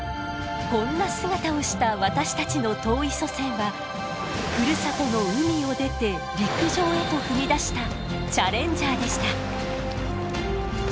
こんな姿をした私たちの遠い祖先はふるさとの海を出て陸上へと踏み出したチャレンジャーでした。